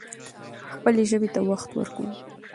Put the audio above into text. خپلې ژبې ته وخت ورکړو.